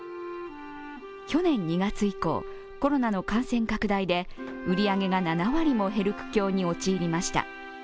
去年２月以降、コロナの感染拡大で売り上げが７割も減る苦境に陥りました。